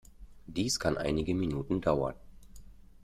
Dies kann einige Minuten dauern.